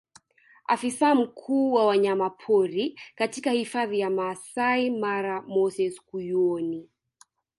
Afisa mkuu wa wanyamapori katika hifadhi ya Maasai Mara Moses Kuyuoni